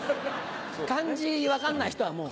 漢字分かんない人はもう。